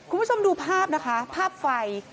คุณผู้ชมดูภาพนะคะภาพไฟ